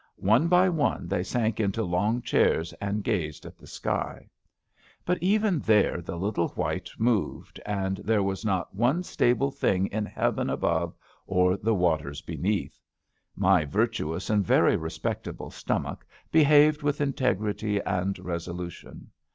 One by one they sank into long chairs and gazed at the sky. But even there the little white moved, and there was not one stable thing in heaven above or the waters beneath. My virtuous and very respecta ble stomach behaved with integrity and resolution.